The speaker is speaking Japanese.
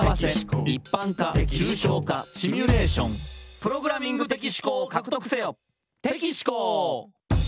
「プログラミング的思考を獲得せよ」